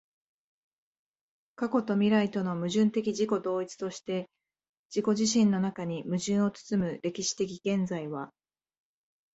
過去と未来との矛盾的自己同一として自己自身の中に矛盾を包む歴史的現在は、